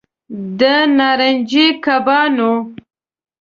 د نارنجي کبانو